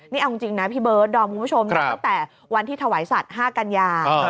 นี่เอาจริงนะพี่เบิร์ดดอมคุณผู้ชมนับตั้งแต่วันที่ถวายสัตว์๕กันยา